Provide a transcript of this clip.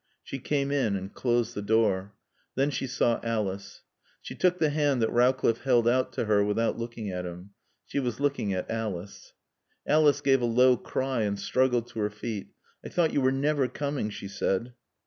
She came in and closed the door. Then she saw Alice. She took the hand that Rowcliffe held out to her without looking at him. She was looking at Alice. Alice gave a low cry and struggled to her feet. "I thought you were never coming," she said.